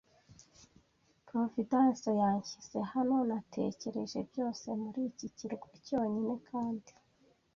Providence yanshyize hano. Natekereje byose muri iki kirwa cyonyine, kandi